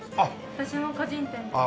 私も個人店です。